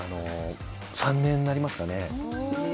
３年になりますかね。